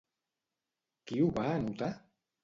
Qui ho va anotar?